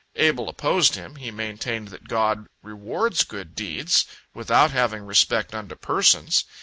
Abel opposed him; he maintained that God rewards good deeds, without having respect unto persons.